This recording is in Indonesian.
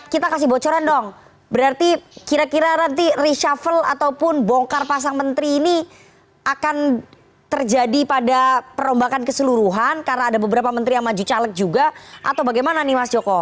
kita kasih bocoran dong berarti kira kira nanti reshuffle ataupun bongkar pasang menteri ini akan terjadi pada perombakan keseluruhan karena ada beberapa menteri yang maju caleg juga atau bagaimana nih mas joko